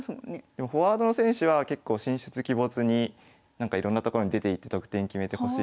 でもフォワードの選手は結構神出鬼没にいろんな所に出ていって得点決めてほしいと思うので。